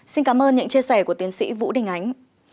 xin cảm ơn những chia sẻ của tiến sĩ vũ đình ánh